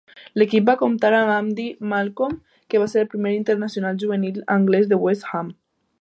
L'equip va comptar amb Andy Malcolm, que va ser el primer internacional juvenil anglès de West Ham.